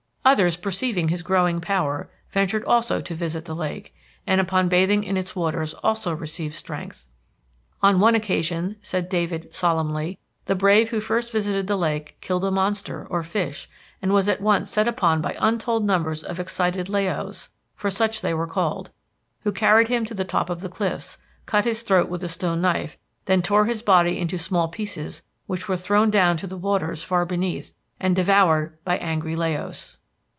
Others perceiving his growing power ventured also to visit the lake, and, upon bathing in its waters also received strength. "On one occasion," said David solemnly, "the brave who first visited the lake killed a monster, or fish, and was at once set upon by untold numbers of excited Llaos (for such they were called), who carried him to the top of the cliffs, cut his throat with a stone knife, then tore his body into small pieces which were thrown down to the waters far beneath and devoured by angry Llaos."